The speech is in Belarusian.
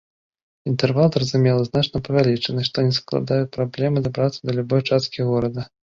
Інтэрвал, зразумела, значна павялічаны, што не складаць праблем дабрацца да любой часткі горада.